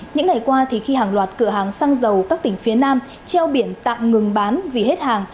những ngày qua khi hàng loạt cửa hàng xăng dầu các tỉnh phía nam treo biển tạm ngừng bán vì hết hàng